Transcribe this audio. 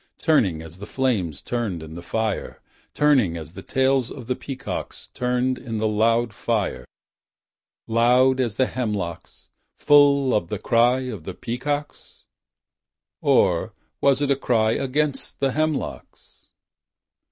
Turning as the flames Turned in the fire. Turning as the tails of the peacocks Turned in the loud fire. Loud as the hemlocks Full of the cry of the peacocks? Or was it a cry against the hemlocks?